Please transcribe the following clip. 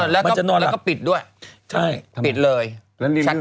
แล้วก็ปิดด้วยปิดเลยชัดดาวน์